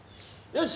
よし。